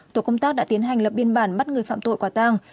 tổ công tác đã tiến hành lập biên bản bắt người phạm tội quả tang